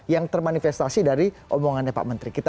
yang termanifestasi dari omongannya pak menteri